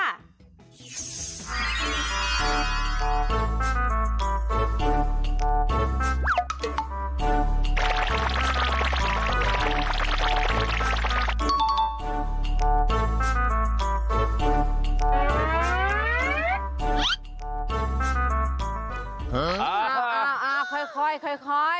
อ่าค่อยค่อยค่อยค่อยค่อย